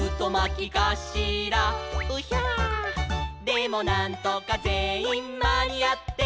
「でもなんとかぜんいんまにあって」